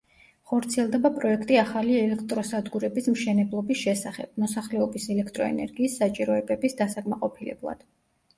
ხორციელდება პროექტი ახალი ელექტროსადგურების მშენებლობის შესახებ, მოსახლეობის ელექტროენერგიის საჭიროებების დასაკმაყოფილებლად.